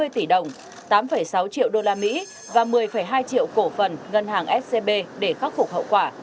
năm trăm tám mươi tỷ đồng tám sáu triệu đô la mỹ và một mươi hai triệu cổ phần ngân hàng scb để khắc phục hậu quả